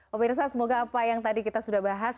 pemirsa semoga apa yang tadi kita sudah bahas